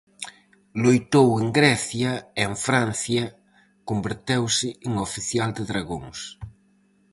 Loitou en Grecia e en Francia converteuse en oficial de dragóns.